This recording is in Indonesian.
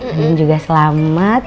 anitta juga selamat